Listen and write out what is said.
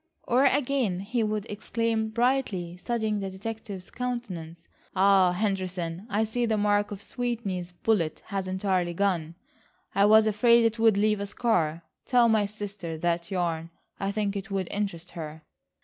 Or again, he would exclaim brightly, studying the detective's countenance. "Ah, Henderson, I see the mark of Sweeney's bullet has entirely gone. I was afraid it would leave a scar. Tell my sister that yarn. I think it would interest her."